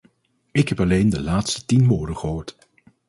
Ik heb alleen de laatste tien woorden gehoord.